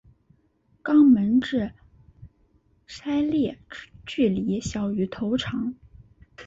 肛门至鳃裂之距离小于头长。